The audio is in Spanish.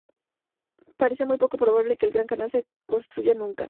Parece muy poco probable que el Gran Canal se construya nunca.